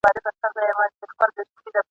زه خالق د هري میني، ملکه د هر داستان یم !.